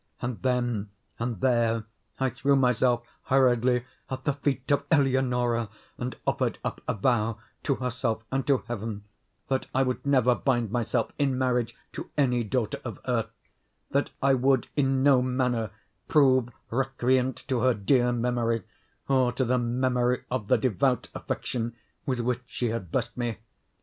And, then and there, I threw myself hurriedly at the feet of Eleonora, and offered up a vow, to herself and to Heaven, that I would never bind myself in marriage to any daughter of Earth—that I would in no manner prove recreant to her dear memory, or to the memory of the devout affection with which she had blessed me.